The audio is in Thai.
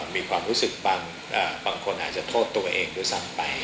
มีความรู้สึกบางคนอาจจะโทษตัวเองด้วยซ้ำไป